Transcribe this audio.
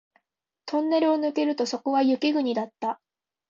トンネルを抜けるとそこは雪国だった